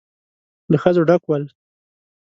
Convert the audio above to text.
له ښځو ډک ول.